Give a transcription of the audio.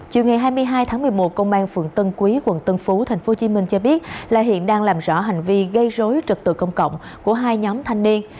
chiều ngày hai mươi hai tháng một mươi một công an phường tân quý quận tân phú tp hcm cho biết là hiện đang làm rõ hành vi gây rối trật tự công cộng của hai nhóm thanh niên